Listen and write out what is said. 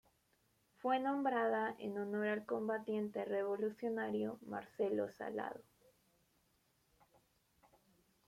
Fue nombrada en honor al combatiente revolucionario Marcelo Salado.